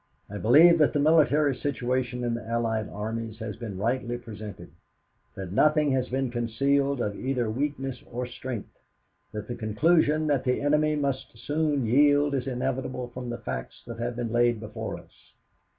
I believe that the military situation of the Allied armies has been rightly presented, that nothing has been concealed of either weakness or strength, that the conclusion that the enemy must soon yield is inevitable from the facts that have been laid before us.